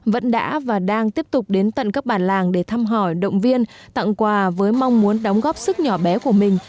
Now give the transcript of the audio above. vẫn đã và đang tiếp tục đến tận các bản làng để thăm hỏi động viên tặng quà với mong muốn đóng góp sức nhỏ bé của mình